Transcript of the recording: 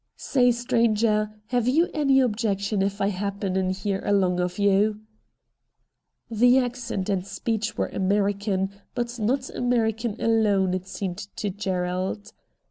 ' Say, stranger, have you any objection if I happen in here along of you ?' The accent and speech were American, but not American alone it seemed to Gerald.